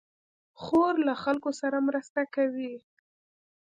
خور له خلکو سره مرسته کوي.